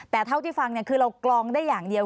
แต่เท่าที่ฟังคือเรากรองได้อย่างเดียว